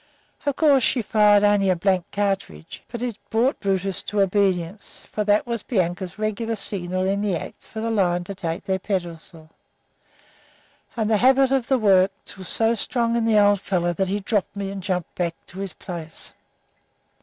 Of course she fired only a blank cartridge, but it brought Brutus to obedience, for that was Bianca's regular signal in the act for the lions to take their pedestals; and the habit of his work was so strong in the old fellow that he dropped me and jumped back to his place.